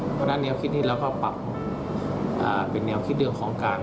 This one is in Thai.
เพราะด้านเนี้ยวคิดนี้เราก็ปรับเป็นเนี้ยวคิดเรื่องของการ